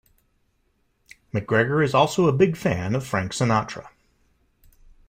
McGregor is also a big fan of Frank Sinatra.